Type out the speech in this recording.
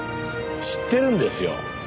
知ってるんですよ。